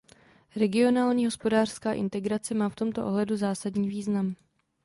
Regionální hospodářská integrace má v tomto ohledu zásadní význam.